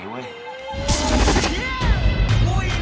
โอน่าเป็นโน้โอน่าโน้โอเลเลล่า